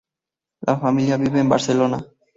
La familia vive en Barcelona.